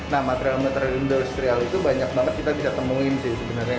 nah material material industrial itu banyak banget kita bisa temuin sih sebenarnya